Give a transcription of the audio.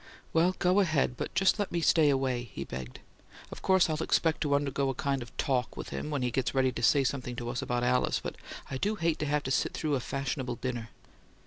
"Well, go ahead, but just let me stay away," he begged. "Of course I expect to undergo a kind of talk with him, when he gets ready to say something to us about Alice, but I do hate to have to sit through a fashionable dinner."